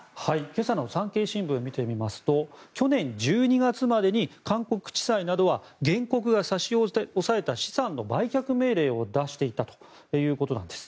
今朝の産経新聞を見てみますと去年１２月までに韓国地裁などは原告が差し押さえた資産の売却命令を出していたということなんです。